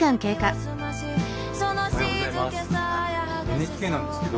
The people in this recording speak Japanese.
ＮＨＫなんですけど。